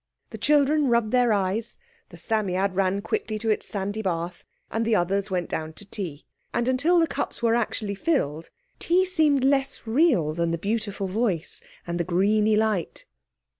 The children rubbed their eyes, the Psammead ran quickly to its sandy bath, and the others went down to tea. And until the cups were actually filled tea seemed less real than the beautiful voice and the greeny light.